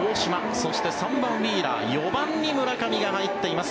そして３番、ウィーラー４番に村上が入ってます。